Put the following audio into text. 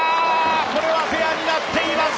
これはフェアになっています！